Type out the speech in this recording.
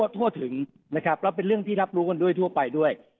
ทั่วถึงนะครับแล้วเป็นเรื่องที่รับรู้กันด้วยทั่วไปด้วย